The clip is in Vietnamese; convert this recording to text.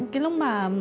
cái lúc mà